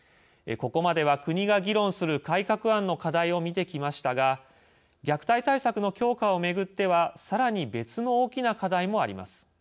ここまでは国が議論する改革案の課題を見てきましたが虐待対策の強化をめぐってはさらに別の大きな課題もあります。